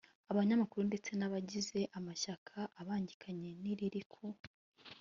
abanyamakuru, ndetse n'abagize amashyaka abangikanye n'iriri ku